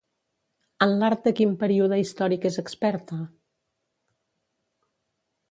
En l'art de quin període històric és experta?